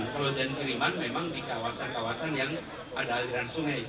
kalau hujan kiriman memang di kawasan kawasan yang ada aliran sungai